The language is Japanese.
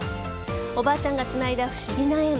おばあちゃんがつないだ不思議な縁。